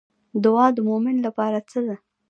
دعا د مومن لپاره څه ده؟